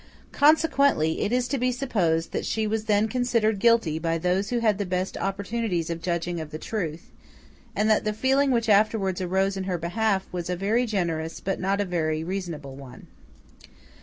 Consequently, it is to be supposed that she was then considered guilty by those who had the best opportunities of judging of the truth, and that the feeling which afterwards arose in her behalf was a very generous but not a very reasonable one.